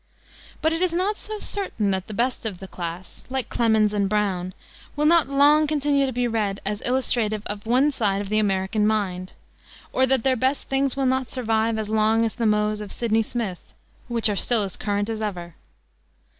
But it is not so certain that the best of the class, like Clemens and Browne, will not long continue to be read as illustrative of one side of the American mind, or that their best things will not survive as long as the mots of Sydney Smith, which are still as current as ever.